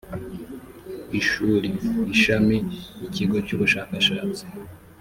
ishuri ishami ikigo cy ubushakashatsi